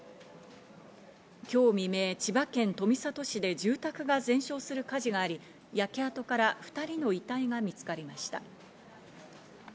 今日未明、千葉県富里市で住宅が全焼する火事があり、焼け跡から２人の遺体が見つかりました。